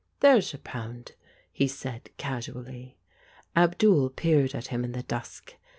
"There's your pound," he said casually. Abdul peered at him in the dusk.